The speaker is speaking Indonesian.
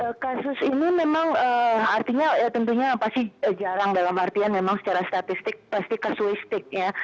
ya kasus ini memang artinya tentunya pasti jarang dalam artian memang secara statistik pasti kasuistik ya